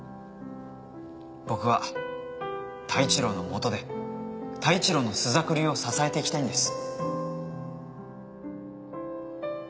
僕は太一郎の下で太一郎の朱雀流を支えていきたいんです